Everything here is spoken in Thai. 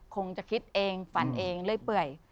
คงจะคิดเองฝันเองเรื่อยเปื่อย